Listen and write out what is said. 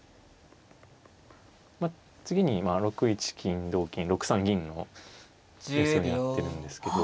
まあ次に６一金同金６三銀のコース狙ってるんですけど。